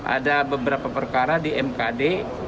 ada beberapa perkara di mkd